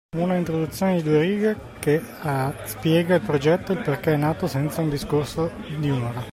Una introduzione di due righe che spiega il progetto e il perché è nato senza un discorso di un'ora.